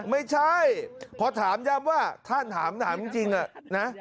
ไม่ใช่เพราะถามย่ำว่าท่านถามถามจริงนะ